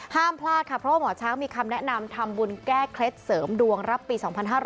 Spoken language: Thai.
ห้ามพลาดค่ะเพราะว่าหมอช้างมีคำแนะนำทำบุญแก้เคล็ดเสริมดวงรับปี๒๕๖๐